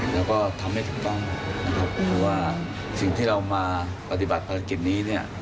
แล้วก็ทำให้ถูกต้องนะครับเพราะว่าสิ่งที่เรามาปฏิบัติภารกิจนี้เนี่ย